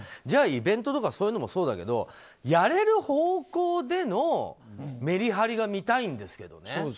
じゃあイベントとかそういうのもそうだけどやれる方向でのメリハリが見たいんですけどね。